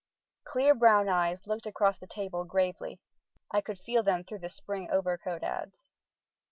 Clear brown eyes looked across the table gravely. I could feel them through the spring overcoat ads.